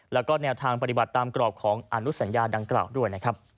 และแนวทางปฏิบัติตามกรอบของอนุสัญญาดังกล่าวด้วย